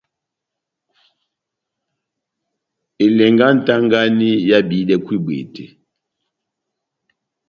Elɛngɛ yá nʼtagani ehábihidɛkwɛ ibwete.